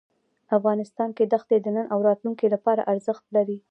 افغانستان کې دښتې د نن او راتلونکي لپاره ارزښت لري.